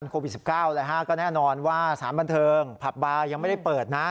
โควิด๑๙ก็แน่นอนว่าสารบันเทิงผับบาร์ยังไม่ได้เปิดนะ